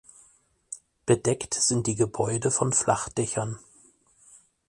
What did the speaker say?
Bedeckt sind die Gebäude von Flachdächern.